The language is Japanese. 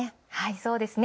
そうですね。